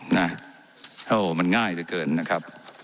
ว่าการกระทรวงบาทไทยนะครับ